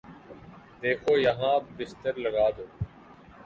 دیکھو یہاں بستر لگادو